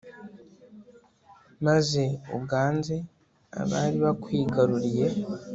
maze uganze abari bakwigaruriye